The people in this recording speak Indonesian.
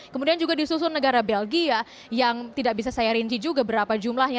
kemudian juga disusun negara belgia yang tidak bisa saya rinci juga berapa jumlahnya